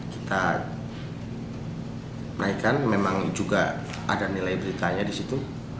kita naikkan memang juga ada nilai beritanya di situ